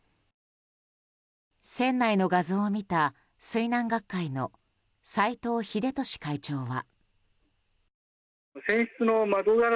船内の画像を見た水難学会の斎藤秀俊会長は。